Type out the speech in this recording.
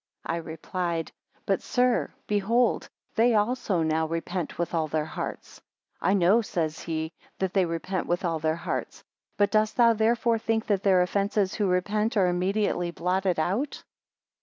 9 I replied; But, sir, behold they also now repent with all their hearts. I know, says he, that they repent with all their hearts; but dost thou therefore think that their offences who repent, are immediately blotted out.